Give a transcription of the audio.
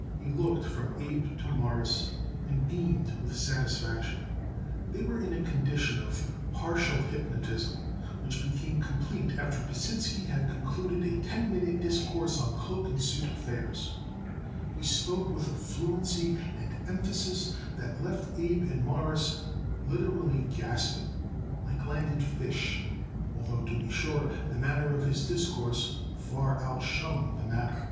'" He looked from Abe to Morris and beamed with satisfaction. They were in a condition of partial hypnotism, which became complete after Pasinsky had concluded a ten minutes' discourse on cloak and suit affairs. He spoke with a fluency and emphasis that left Abe and Morris literally gasping like landed fish, although, to be sure, the manner of his discourse far outshone the matter.